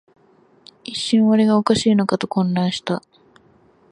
一瞬、俺がおかしいのかと混乱した